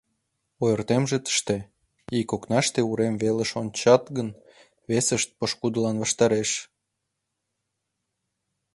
Ойыртемже тыште: ик окнашт урем велыш ончат гын, весышт — пошкудылан ваштареш.